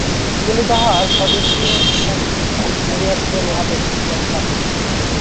তিনি তাঁহার স্বদেশীয় পোষাক পরিয়াছিলেন, উহা বেশ জমকালো।